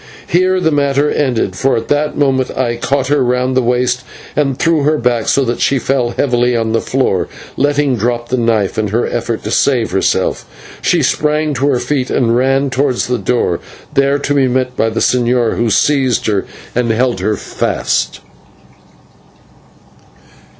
But here the matter ended, for at that moment I caught her round the waist and threw her back, so that she fell heavily on the floor, letting drop the knife in her effort to save herself. She sprang to her feet and ran towards the door, there to be met by the señor, who seized her and held her fast.